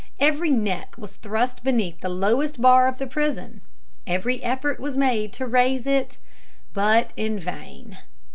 Every neck was thrust beneath the lowest bar of the prison; every effort was made to raise it, but in vain.